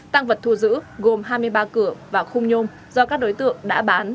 tăng vật thu giữ gồm hai mươi ba cửa và khung nhôm do các đối tượng đã bán